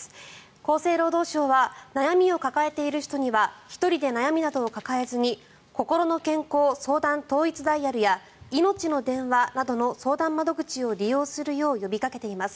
厚生労働省は悩みを抱えている人には１人で悩みなどを抱えずにこころの健康相談統一ダイヤルやいのちの電話などの相談窓口を利用するよう呼びかけています。